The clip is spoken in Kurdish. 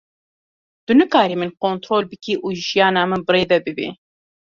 Tu nikarî min kontrol bikî û jiyana min bi rê ve bibî.